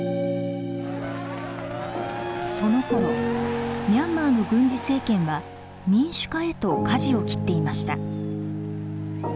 そのころミャンマーの軍事政権は民主化へとかじを切っていました。